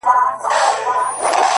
o قاضي صاحبه ملامت نه یم، بچي وږي وه،